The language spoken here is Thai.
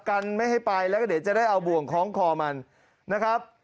กันไม่ให้ไปแล้วก็เดี๋ยวจะได้เอาบ่วงคล้องคอมันนะครับ